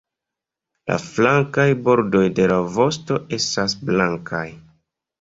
La flankaj bordoj de la vosto estas blankaj.